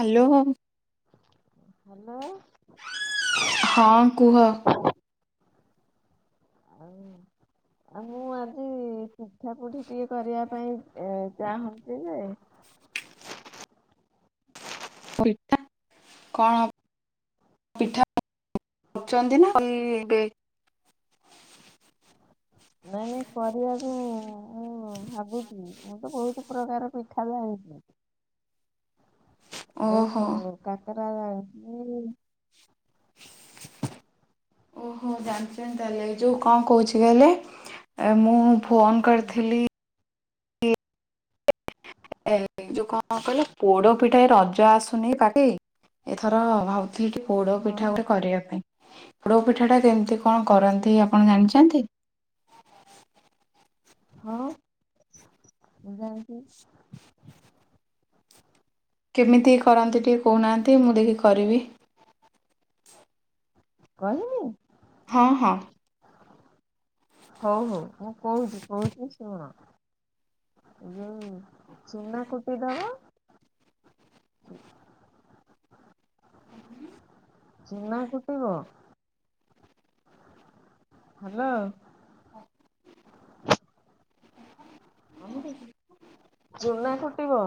Hello. Hello. ହଁ କୁହ। ମୁଁ ଆଜି ପିଠା ପୁଠି ଟିକେ କରିବା ପାଇଁ ଚାହୁଁଛି ଯେ ପିଠା କଣ ହବ ପିଠା କରଛନ୍ତି ନା [unintelligible] ନାଇଁ ନାଇଁ କରିବାକୁ ମୁଁ ଭାବୁଛି। ମୁଁ ତ ବହୁତ ପ୍ରକାର ପିଠା ଜାଣିଛି। ଓହୋ ଆଉ କାକରା ଜାଣିଛି ଓହୋ ଜାଣିଛନ୍ତି ତାହଲେ ଏ ଯୋଉ କଣ କହୁଛି କହଲେ ମୁଁ ଫୋନ କରିଥିଲି ଏ ଏଇ ଯୋଉ କଣ କହିଲ ପୋଡ ପିଠା ରଜ ଆସୁନି [unintelligible] ଏଥର ଭାବ ଠିକ ପୋଡ ହଁ ପିଠା ହଁ ଗୋଟେ କରିବା ପାଇଁ। ପୋଡୋ ପିଠା ଟା କେମିତି କଣ କରନ୍ତି ଆପଣ ଜାଣିଛନ୍ତି? ହଁ। [inaudible] କେମିତି କରନ୍ତି ଟିକେ କହୁନାହାନ୍ତି ମୁଁ ଦେଖି କରିବି। କହିବି? ହଁ ହଁ। ହଉ ହଉ ମୁଁ କହୁଛି କହୁଛି ଶୁଣ ହୁଁ। ଚୁନା କୁଟିଦେବ ଚୁନା କୁଟିିବ ହ୍ୟାଲୋ କହିଵି ଚୁନା କୁଟିବ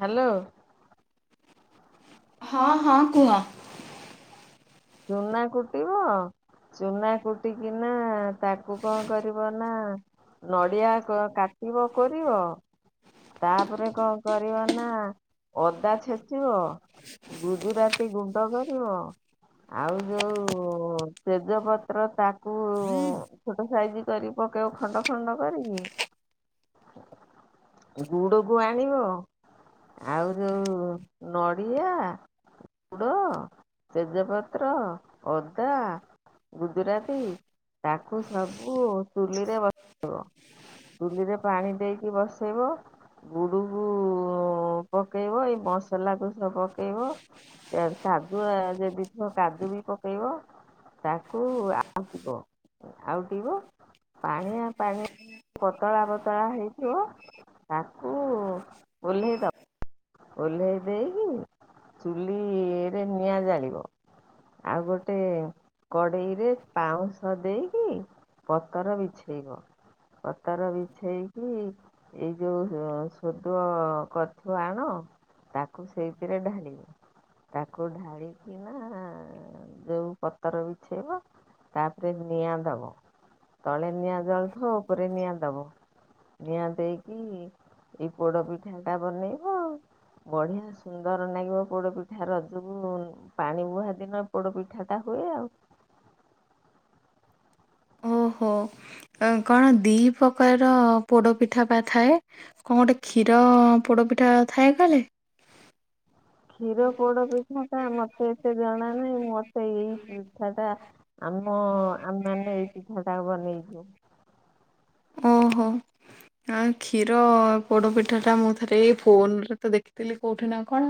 ହ୍ୟାଲୋ। ହଁ ହଁ କୁହ ଚୁନା କୁଟ କୁଟିବ ଚୁନା କୁଟିକି ନା ତାକୁ କଣ କରିବ ନା ନଡିଆ କ କାଟି କାଟିବ କୋରିବ ତାପରେ କଣ କରିବ ନା ଅଦା ଛେଚିବ ଗୁଜୁରାତି ଗୁଣ୍ଡ କରିବ ଆଉ ଯୋଉ ତେଜପତ୍ର ତାକୁ ଛୋଟ ସାଇଜ କରି ପକେଇବ ଖଣ୍ଡ ଖଣ୍ଡ କରିକି ଗୁଡ କୁ ଆଣିବ ଆଉ ଯୋଉ ନ ଡ଼ିଆ ଗୁଡ଼ ତେଜପତ୍ର, ଅଦା, ଗୁଜୁରାତି ତାକୁ ସବୁ ଚୁଲିରେ ବସେଇବ। ଚୁଲିରେ ପାଣି ଦେଇକି ବସେଇବ। ଗୁଡ଼କୁ ପକାଇବ ଏଇ ମସଲାକୁ ସବୁ ପକେଇବ କାଜୁ ଆ ଯେ ଦି ଥର କାଜୁ ବି ପକାଇବ ତାକୁ ଆଉଟିବ। ଆଉଟିବ ପାଣିଆ ପାଣିଆ ପତଳା ପତଳା ହେଇଥିବ, ତାକୁ ଓହ୍ଲାଇଦବ। ଓହ୍ଲାଇ ଦେଇକି ଚୁଲିରେ ନିଆଁ ଜାଳିବ। ଆଉ ଗୋଟେ କଡ଼େଇରେ ପାଉଁଶ ଦେଇକି, ପତର ବିଛେଇବ। ପତର ବିଛେଇକି ଏଇ ଯୋଉ ଶୋଦଅ କରିଥିବ ଆଣ ତାକୁ ସେଇଥିରେ ଢାଳିବ। ତାକୁ ଢାଳି ନା ଯୋଉଁ ପତର ବିଛେଇବ। ତାପରେ ନିଆଁ ଦବ। ତଳେ ନିଆଁ ଜଳଥିବ ଉପରେ ନିଆଁ ଦବ। ନିଆଁ ଦେଇକି ଏଇ ପୋଡ଼ପିଠାଟା ବନେଇବ। ବଢ଼ିଆ ସୁନ୍ଦର ଲାଗିବ ପୋଡ଼ପିଠା ରଜକୁ ପାଣି ବୁହା ଦିନ ପୋଡ଼ପିଠାଟା ହୁଏ ଆଉ। ଓହୋ ଅଁ କଣ ଦି ପ୍ରକାରର ପୋଡ଼ପିଠା ପା ଥାଏ। କଁ ଗୋଟେ କ୍ଷୀର ପୋଡ଼ପିଠା ଥାଏ କହିଲେ। କ୍ଷୀର ପୋଡ଼ପିଠାଟା ମତେ ଏତେ ଜଣା ନାହିଁ। ମୋତେ ଏଇ ପିଠାଟା ଆମ ଆମେମାନେ ଏଇ ପିଠାଟା ବନେଇଚୁ। ଓହୋ ହଁ କ୍ଷୀର ଆଁ ପୋଡପିଠାଟା ମୁଁ ଥରେ ଏ ଫୋନରେ ତ ଦେଖିଥିଲି କୋଉଠି ନାଁ କଣ।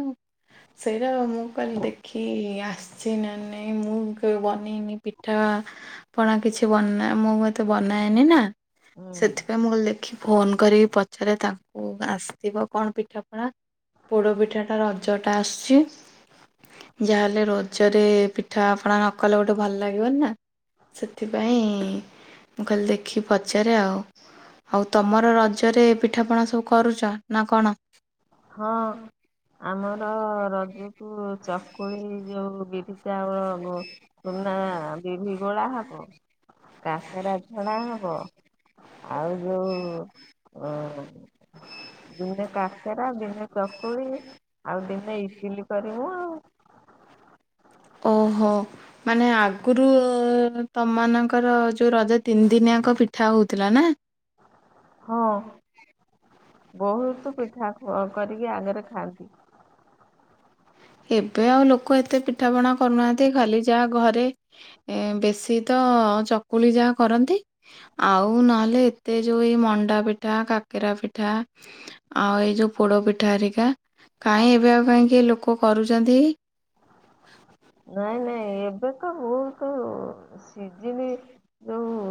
ସେଇଟା ମୁଁ କହିଲି ଦେଖି ଆସିଚି ନାଁ ନାଇଁ ମୁଁ କେବେ ବନେଇନି ପିଠା ପଣା କିଛି ବନା ମୁଁ ଏତେ ବନାଏନି ନାଁ। ହୁଁ। ସେଥିପାଇଁ ମୁଁ ଲେଖେ। ଫୋନ କରିକି ପଚାରେ ତାଙ୍କୁ ଆସିଥିବ କଣ ପିଠାପଣା। ପୋଡ଼ପିଠାଟା ରଜଟା ଆସୁଚି। ଯା ହେଲେ ରଜରେ ପିଠାପଣା ନ କଲେ ଗୋଟେ ଭଲ ଲାଗିବନି ନା। ସେଥିପାଇଁ ମୁଁ କଲି ଦେଖି ପଚାରେ ଆଉ। ହଉ ତମର ରଜରେ ପିଠାପଣା ସବୁ କରୁଚ ନାଁ କଣ? ହଁ ଆମର ର ରଜକୁ ଚକୁଳି ଯୋଉ ବିରି ଚାଉଳ ଗୁ ଚୁନା ବିରହି ଗୋଳା ହବ କା କେରା ଛଣା ହବ। ଆଉ ଯୋଉ ଅ ଯୋଉ ନ କା ହେରା ଦିନେ ଚକୁଳି ଆଉ ଦିନେ ଇଟିଲି କରିମୁ ଆଉ। ଓହୋ ମାନେ ଆଗୁରୁ ତମମାନଙ୍କର ଯୋଉ ରଜ ତିନି ଦିନିଆଙ୍କ ପିଠା ହୋଉଥୁଲା ନାଁ? ହଁ ବୋହୁତ ପିଠା କ କରିକି ଆଗରେ ଖାଆନ୍ତି। ଏବେ ଆଉ ଲୋକ ଏତେ ପିଠା ପଣା କରୁନାହାନ୍ତି, ଖାଲି ଯାହା ଘରେ ଏଁ ବେଶୀ ତ ଚକୁଳି ଯାହା କରନ୍ତି ଆଉ ନହେଲେ ଏତେ ଯୋଉ ଏଇ ମଣ୍ଡା ପିଠା, କାକେରା ପିଠା ଆଉ ଏଇ ଯୋଉ ପୋଡ଼ ପିଠା ହେରିକା କାଇଁ ଏବେ ଆଉ କାଇଁ ଲୋକ୍ କ କରୁଚନ୍ତି? ନାଇଁ ନାଇଁ ଏବେକ ବୋହୁତ୍ ସିଜିନି ଯୋଉ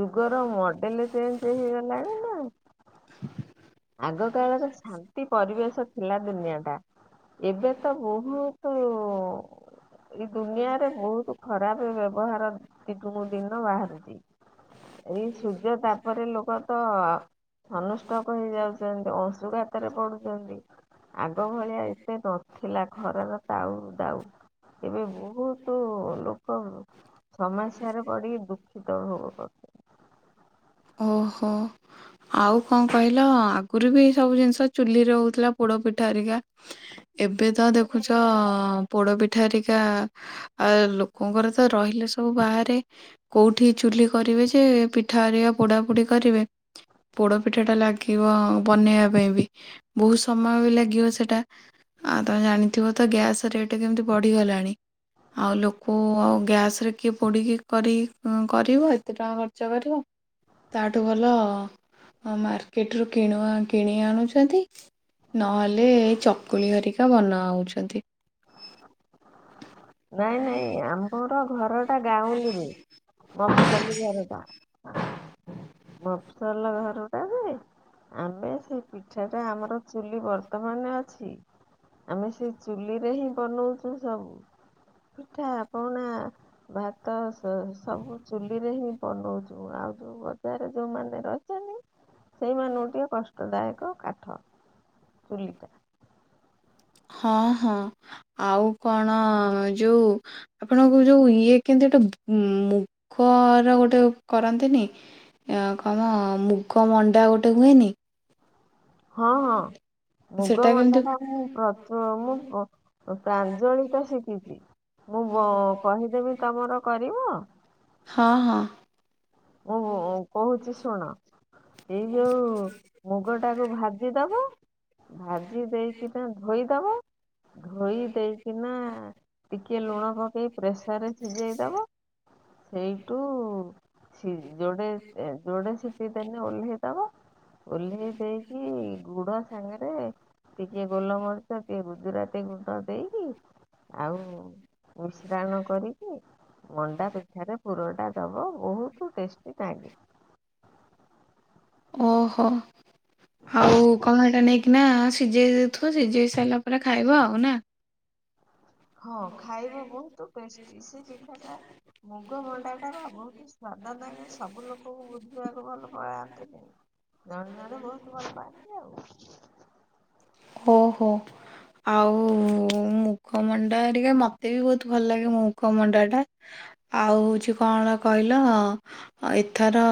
ଯୁ ର ମଡେଲ ଚେଞ୍ଚ୍ ହେଇଗଲାଣି ନାଁ। [inaudible] ଆଗ କାଳରେ ସା ନ୍ତି ପରିବେଶ ଥିଲା ଦୁନିଆ। ଟା। ଏବେ ତ ବୋହୁତ ଏଇ ଦୁନିଆରେ ବୋହୁତ ଖରାପ ବ୍ୟବହାର ଦିନୁକୁ ଦିନ ବାହାରୁଚି। ଏଇ ସୂର୍ଯ୍ୟ ତାପରେ ଲୋକ ତ ହନୁଷ୍ଟ କ ହେଇଯାଉଚନ୍ତି ଅଂଶୁଘାତରେ ପଡୁଚନ୍ତି। ଆଗ ଭଳିଆ ଏତେ ନଥିଲା ଖରାର ତାଉ ଦାଉ। ଏବେ ବୋହୁତ ଲୋକ ସମସ୍ୟାରେ ପଡିିକି ଦୁଃଖିତ ଭୋଗ କରୁଚନ୍ତି। ଓହୋ। ଆଉ କଁ କହିଲ ଆଗୁରୁ ବି ଏଇ ସବୁ ଜିନିଷ ଚୁଲିରେ ହୋଉଥୁଲା ପୋଡ଼ପିଠା ହରିକା। ଏବେ ତ ଦେଖୁଚ ପୋଡ଼ପିଠା ହେରିକା ଆ ଲୋକଙ୍କର ତ ରହିଲେ ସବୁ ବାହାରେ କୋଉଠି ଚୁଲି କରିବେ ଯେ ପିଠା ହେରିଆ ପୋଡ଼ାପୁଡ଼ି କରିବେ। ପୋଡ଼ପିଠାଟା ଲାଗିବ ବନେଇବା ପାଇଁ ବି ବୋହୁତ ସମୟ ବି ଲାଗିବ ସେଟା। ଆଉ ତମେ ଜାଣିଥିବ ତ ଗ୍ୟାସ୍ ରେଟ୍ କେମିତି ବଢ଼ିଗଲାଣି। ଆଉ ଲୋକ ଆଉ ଗ୍ୟାସରେ କିଏ ପୋଡ଼ିକି କରି ଉଁ କରିବ ଏତେ ଟଙ୍କା ଖର୍ଚ୍ଚ କରିବ ତାଠୁ ଭଲ ମାର୍କେଟରୁୁ କିଣୁ କିଣି ଆଣୁଚନ୍ତି। ନହେଲେ ଏଇ ଚକୁଳି ହରିକା ବନାଉଚନ୍ତି। ନାଇଁ ନାଇଁ ଆମର ଘରଟା ଗାଉଁଲିରେ ମଫସଲୀ ଘରଟା। ମଫସଲର ଘରୁଟା ହୁଏ। ଆମେ ସେଇ ପିଠାଟା ଆମର ଚୁଲି ବର୍ତ୍ତମାନେ ଅ ଛି ଆମେ ସେଇ ଚୁଲିରେ ହିଁ ବନଉଚୁ ସବୁ। ପିଠା ପଣା ଭାତ ସ ସବୁ ଚୁଲିରେ ହିଁ ବନଉଚୁ। ଆଉ ଯୋଉ ବଜାରରେ ଯୋଉମାନେ ରହିଚନ୍ତି ସେଇମାନଙ୍କୁ ଟିକେ କଷ୍ଟଦାୟକ କାଠ ଚୁଲିଟା। ହଁ ହଁ ଆଉ କଣ ଯୋଉ ଆପଣଙ୍କୁ ଯୋଉ ଇଏ କେନ୍ତି ଗୋଟେ ମୁଗର ଗୋଟେ କରନ୍ତିନି ଅ କଣ ମୁଗ ମଣ୍ଡା ଗୋଟେ ହୁଏନି? ହଁ ହଁ ମୁଗ ସେଟା ମଣ୍ଡା କେମିତି ପା ମୁଁ ପ୍ରଚଳ ମୁଁ ପ୍ର ଓ ପ୍ରାଞ୍ଜଳିକା ଶିଖିଛି। ମୁଁ କହିଦେବି ତମର କରିବ? ହଁ ହଁ। ଓହେ ଉଁ କୋହୁଚି ଶୁଣ। ଏଇ ଯୋଉ ମୁଗଟାକୁ ଭାଜିଦବ। ଭାଜି ଦେଇକିନା ଧୋଇଦବ ଧୋଇ ଦେଇକିନା ଟିକିଏ ଲୁଣ ପକେଇ ପ୍ରେସରରେ ସିଝେଇଦବ ସେଇଟୁ ସି ଯୋଡେ ଏ ଯୋଡେ ସିଟି ଦେନେ ଓହ୍ଲେଇ ଦବ। ଓହ୍ଲେଇ ଦେଇକି ଗୁଡ ସାଙ୍ଗରେ ଟିକେ ଗୋଲମରିଚ ଟିକେ ରୁଜୁରାତି ଗୁଣ୍ଡ ଦେଇକି ଆଉ ମିଶ୍ରାଣ କରିକି ମଣ୍ଡା ପିଠାରେ ପୁର ଦେଇଦବ ବୋହୁ ତ ଟେଷ୍ଟି ନାଗେ। ଓହୋ। ଆଉ କଣ ହେଟା ନେଇ କିନା ସିଝେଇ ଦେଇଥିବ ସିଝେଇ ସାରିଲା ପରେ ଖାଇବ ଆଉ ନା। ହଁ ଖାଇବା ବୋହୁତ ଟେଷ୍ଟି ସେ ପିଠାଟା ମୁଗ ସେଟା ପା ବୋହୁତ ସ୍ଵାଦ ଦାୟକ ସବୁ ଲୋକଙ୍କୁ ବୁଝିବାକୁ ଭଲ ପଳାନ୍ତିନି। [unintelligible] ଜଣେ ଜଣେ ବୋହୁତ ପାଆନ୍ତି ଆଉ। ଓହୋ ଆଉ ମୁଗ ମଣ୍ଡା ହେରିକ ମତେ ବି ବୋହୁତ ଭଲ ଲାଗେ ମୁଗ ମଣ୍ଡାଟା ଆଉ ହୋଉଚି କଣ କହିଲ ଏଥର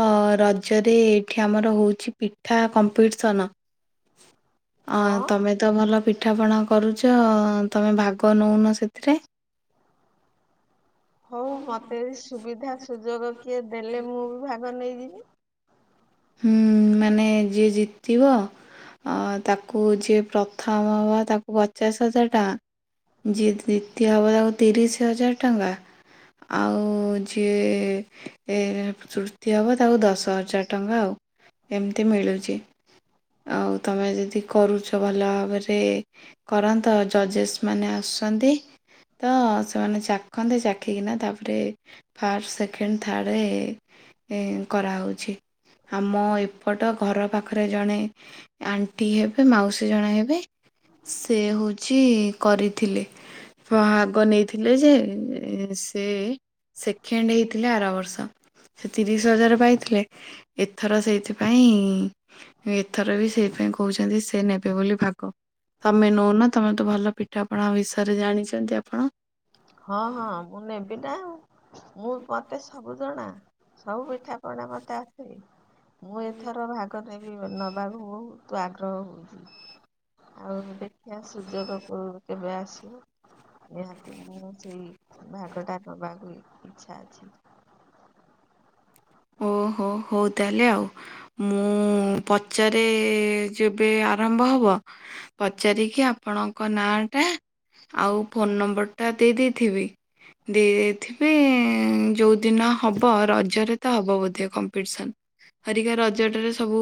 ରଜରେ ଏଠି ଆମର ହୋଉଚି ପିଠା କମ୍ପିଟିସନ୍। ଅଁ ହଁ ତମେ ତ ଭଲ ପି ପିଠା ପଣା କରୁଛ ତମେ ଭାଗ ନଉନ ସେଥିରେ? ହଉ ମୋତେ ସୁବିଧା ସୁଯୋଗ କିଏ ଦେଲେ ମୁଁ ବି ଭାଗ ନେଇଯିବି? ହୁଁ ମାନେ ଯିଏ ଜିତିବ ଅ ତାକୁ ଯିଏ ପ୍ରଥମ ହବ ତାକୁ ପଚାଶ ହଜାର ଟଙ୍କା ଯିଏ ଦ୍ଵିତୀୟ ହବ ତାକୁ ତିରିଶ ହଜାର ଟଙ୍କା ଆଉ ଯିଏ ଅ ତୃତୀୟ ହବ ତାକୁ ଦଶ ହଜାର ଟଙ୍କା ଆଉ ଏମିତି ମିଳୁଛି ଆଉ ତମେ ଯଦି କରୁଛ ଭଲ ଭାବରେ କରନ୍ତ ଜଜେସ୍ ମାନେ ଆସୁଛନ୍ତି ତ ସେମାନେ ଚାଖନ୍ତେ ଚାଖିକିନା ତାପରେ ଫାଷ୍ଟ ସେକେଣ୍ଡ ଥାର୍ଡ଼ କରାହେଉଛି। ଆମ ଏପଟ ଘର ପାଖରେ ଜଣେ ଆଣ୍ଟି ହେବେ ମାଉସୀ ଜଣେ ହେବେ ସେ ହଉଛି କରିଥିଲେ ଭାଗ ନେଇଥିଲେ ଯେ ସେ ସେକେଣ୍ଡ ହେଇଥିଲେ ଆର ବର୍ଷ ସେ ତିରିଶ ହଜାର ପାଇଥିଲେ। ଏଥର ସେଇଥିପାଇଁ ଏଥର ବି ସେଇପାଇ କହୁଛନ୍ତି ସେ ନେବେ ବୋଲି ଭାଗ ତମେ ନଉନ ତମେ ତୁ ଭଲ ପିଠାପଣା ବିଷୟରେ ଜାଣିଛନ୍ତି ଆପଣ? ହଁ ହଁ ମୁଁ ନେବି ନା ଆଉ। ମୁଁ ମତେ ସବୁ ଜଣା। ସବୁ ପିଠା ପଣା ମତେ ଆସେ ମୁଁ ଏଥର ଭାଗ ନେବି ନେବାକୁ ବା ତୁ ଆଗ୍ରହ ହଉଛି ଆଉ ଦେଖିବା ସୁଯୋଗକୁ କେବେ ଆସିବ ନିହାତି ମୁଁ ସେଇ ଭାଗଟା ଦବାକୁ ଇଚ୍ଛା ଅଛି। ଓହୋ ହଉ ତାହେଲେ ଆଉ ମୁଁ ପଚାରେ ଯେବେ ଆରମ୍ଭ ହବ ପଚାରିକି ଆପଣଙ୍କ ନାଁଟା ଆଉ ଫୋନ ନମ୍ବରଟା ଦେଇ ଦେଇଥିବି ଦେଇ ଦେଇଥିବି ଯୋଉଦିନ ହବ ରଜରେ ତା ହବ ବୋଧେ କମ୍ପିଟିସନ ହରିକା ରଜଟାରେ ସବୁ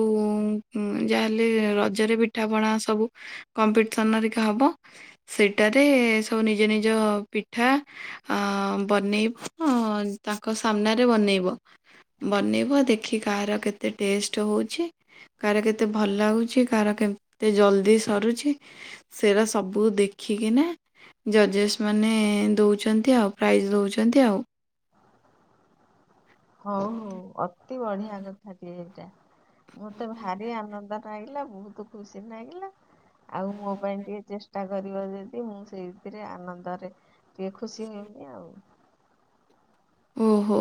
ଯାହାହେଲେ ରଜରେ ପିଠା ପଣା ସବୁ କମ୍ପିଟିସନ ହରିକା ହବ ସେଇଟାରେ ସବୁ ନିଜ ନିଜ ପିଠା ବନେଇବ ତାଙ୍କ ସାମ୍ନାରେ ବନେଇବ। ବନେଇବ ଦେଖି କାହାର କେତେ ଟେଷ୍ଟ ହଉଛି କାହାର କେତେ ଭଲ ଲାଗୁଛି କାହାର କେତେ ଜଲଦି ସରୁଛି ସେଟା ସବୁ ଦେଖିକିନା ଜଜେସ୍ ମାନେ ଦଉଛନ୍ତି ଆଉ ପ୍ରାଇଜ ଦଉଛନ୍ତି ଆଉ। ହଉ ହଉ। ଅ ଏତେ ବଢିଆ କଥା ଟିଏ ଏଇଟା। ମତେ ଭାରି ଆନନ୍ଦ ଲାଗିଲା ବହୁତ ଖୁସି ଲାଗିଲା ଆଉ ମୋ ପାଇଁ ଟିକେ ଚେଷ୍ଟା କରିବ ଯଦି ମୁଁ ସେଇଥିରେ ଆନନ୍ଦରେ ଟିକେ ଖୁସି ହେମି ଆଉ ଓହୋ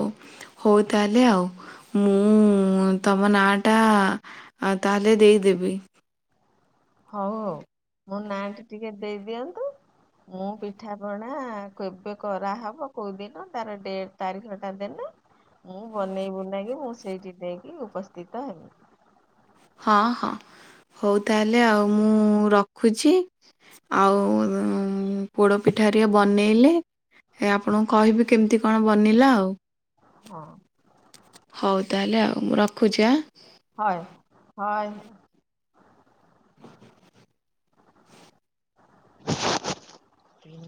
ହଉ ତାହେଲେ ଆଉ ମୁଁ ତମ ନାଁଟା ତାହେଲେ ଦେଇଦେବି ହଉ ହଉ ମୋ ନାଟି ଟିକେ ଦେଇଦିଅନ୍ତୁ। ମୁଁ ପିଠା ପଣା କେବେ କରାହେବ କୋଉ ଦିନ ତାର ଡେଟ ତାରିଖ ଟା ଦେଲେ ମୁଁ ବନେଇ ବୁନେଇକି ମୁଁ ସେଇଠି ନେଇକି ଉପସ୍ଥିତ ହେବି ହଁ ହଁ ହଉ ତାହେଲେ ଆଉ ମୁଁ ରଖୁଛି ଆଉ ପୋଡ଼ପିଠାରେ ବନେଇଲେ ଆପଣଙ୍କୁ କହିବି କେମିତି କଣ ବନେଇିଲା ଆଉ ହଁ ହଉ ତାହେଲେ ଆଉ। ଉ ମୁଁ ରଖୁଛି ଆ ହଏ ହଏ ହଏ।